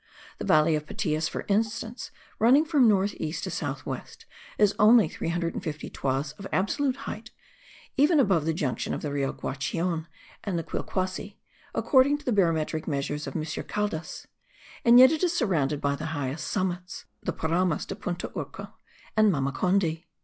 The valley of Patias, for instance, running from north east to south west is only 350 toises of absolute height, even above the junction of the Rio Guachion with the Quilquasi, according to the barometric measures of M. Caldas; and yet it is surrounded by the highest summits, the Paramos de Puntaurcu and Mamacondy.